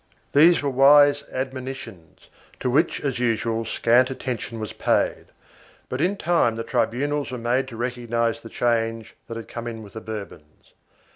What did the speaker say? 1 These were wise admonitions to which as usual scant attention was paid, but in time the tribunals were made to recognize the change which had come in with the Bourbons.